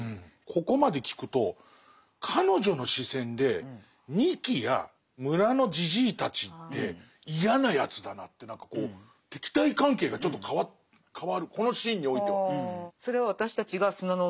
ここまで聞くと彼女の視線で仁木や村のじじいたちって嫌なやつだなって何かこう敵対関係がちょっと変わるこのシーンにおいては。